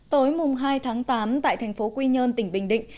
tối hai tháng tám tại thành phố quy nhơn tỉnh bình định